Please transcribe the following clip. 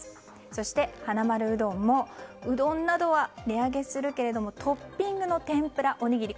そしてはなまるうどんもうどんなどは値上げするけどもトッピングの天ぷら、おにぎり。